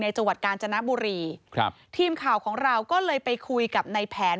จังหวัดกาญจนบุรีครับทีมข่าวของเราก็เลยไปคุยกับในแผน